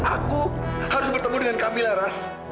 aku harus bertemu dengan kamilah ras